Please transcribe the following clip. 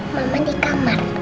mama di kamar